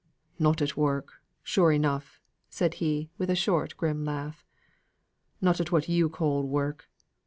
"Not at work, sure enough," said he, with a short, grim laugh. "Not at what you call work.